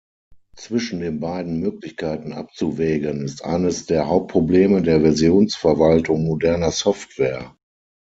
Zwischen den beiden Möglichkeiten abzuwägen, ist eines der Hauptprobleme der Versionsverwaltung moderner Software.